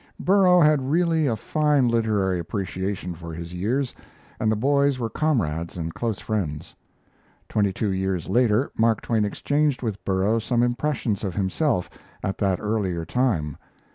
Burrough had really a fine literary appreciation for his years, and the boys were comrades and close friends. Twenty two years later Mark Twain exchanged with Burrough some impressions of himself at that earlier time.